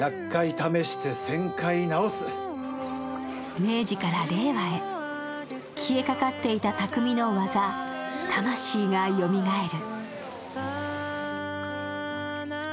明治から令和へ、消えかかっていた匠の技、魂がよみがえる。